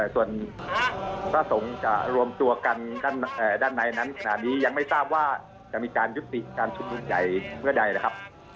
ส่วนพระสงฆ์จะรวมตัวกันด้านในนั้นขณะนี้ยังไม่ทราบว่าจะมีการยุติการชุมนุมใหญ่เมื่อใดนะครับ